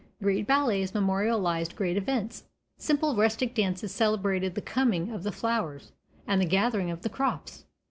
Great ballets memorialized great events; simple rustic dances celebrated the20 coming of the flowers and the gathering of the crops.